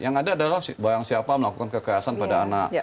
yang ada adalah barang siapa melakukan kekerasan pada anak